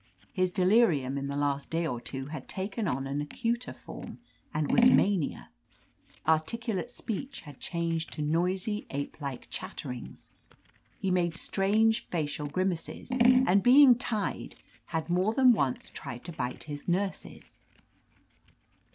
His delirium in the last day or two had taken on an acuter form, and was mania. Articulate speech had changed to noisy ape like chatterings. He made strange facial grimaces, and being tied, had more than once tried to bite his nurses.